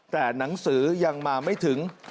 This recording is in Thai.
แต่หนังสือยังมาไม่ถึง